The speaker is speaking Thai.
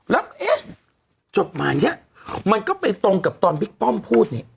แล้วเอ๊ะจดหมายนี้มันก็ไปตรงกับตอนบิ๊กป้อมพูดนี่